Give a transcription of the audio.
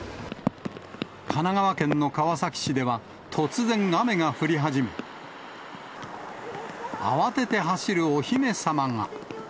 神奈川県の川崎市では、突然雨が降り始め、慌てて走るお姫様が。